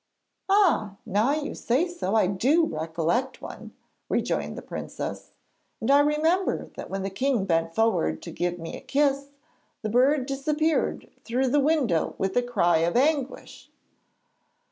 'Ah, now you say so, I do recollect one!' rejoined the princess; 'and I remember that when the king bent forward to give me a kiss, the bird disappeared through the window with a cry of anguish.'